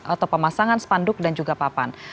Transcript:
atau pemasangan spanduk dan juga papan